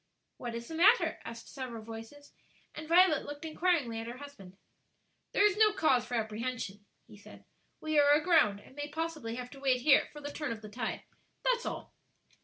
"What is the matter?" asked several voices, and Violet looked inquiringly at her husband. "There is no cause for apprehension," he said; "we are aground, and may possibly have to wait here for the turn of the tide; that's all."